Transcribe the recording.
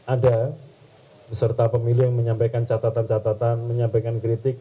ada peserta pemilu yang menyampaikan catatan catatan menyampaikan kritik